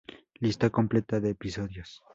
Lista completa de episodios